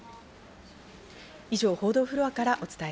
以上、報道フロアからお伝え